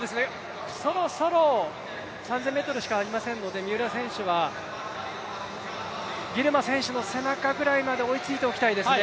そろそろ、３０００ｍしかありませんので三浦選手はギルマ選手の背中ぐらいまで追いついておきたいですね